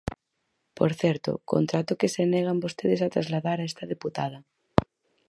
Por certo, contrato que se negan vostedes a trasladar a esta deputada.